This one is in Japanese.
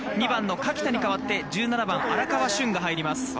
２番の垣田に代わって１７番の荒川駿が入ります。